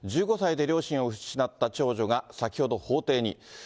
１５歳で両親を失った長女が、先ほど法廷に。